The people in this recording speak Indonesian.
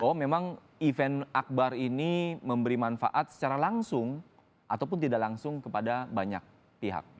bahwa memang event akbar ini memberi manfaat secara langsung ataupun tidak langsung kepada banyak pihak